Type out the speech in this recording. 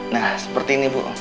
nah seperti ini bu